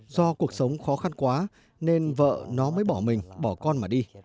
do cuộc sống khó khăn quá nên vợ nó mới bỏ mình bỏ con mà đi